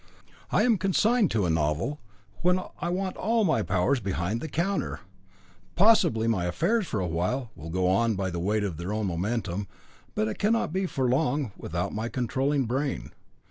I am consigned to a novel, when I want all my powers behind the counter. Possibly my affairs for a while will go on by the weight of their own momentum, but it cannot be for long without my controlling brain.